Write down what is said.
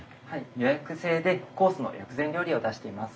予約制でコースの薬膳料理を出しています。